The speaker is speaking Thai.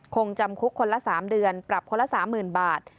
คงจำคุกคนละ๓เดือนปรับคนละ๓๐๐๐บาท